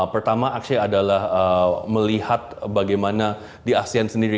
pertama acture adalah melihat bagaimana di asean sendiri